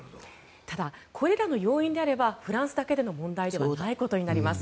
ただ、これらの要因であればフランスだけの問題ではないことになります。